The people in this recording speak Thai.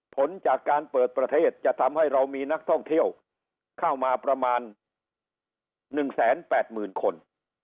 ผลจากการเปิดประเทศจะทำให้เรามีนักท่องเที่ยวเข้ามาประมาณ๑๘๐๐๐คน